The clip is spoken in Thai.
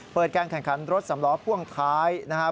เปิดแก้งขังครั้นรถสำล้อภว่างค้ายนะครับ